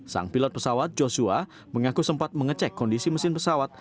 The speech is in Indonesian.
sang pilot pesawat joshua mengaku sempat mengecek kondisi mesin pesawat